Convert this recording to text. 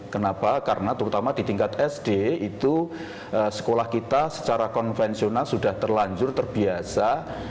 kenapa karena terutama di tingkat sd itu sekolah kita secara konvensional sudah terlanjur terbiasa